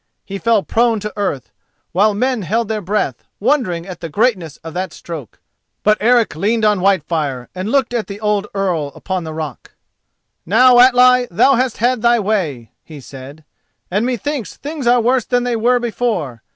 He fell prone to earth, while men held their breath, wondering at the greatness of that stroke. But Eric leaned on Whitefire and looked at the old Earl upon the rock. "Now, Atli, thou hast had thy way," he said, "and methinks things are worse than they were before.